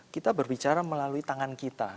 kita berbicara melalui tangan kita